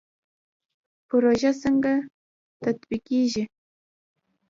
پروژه څنګه تطبیقیږي؟